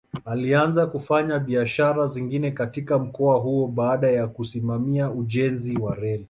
Alianza kufanya biashara zingine katika mkoa huo baada ya kusimamia ujenzi wa reli.